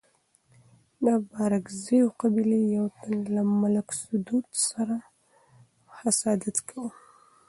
د بارکزيو قبيلي يو تن له ملک سدو سره حسادت کاوه.